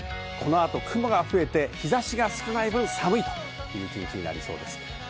この後、雲が増えて、日差しが少ない分、寒いという１日になりそうです。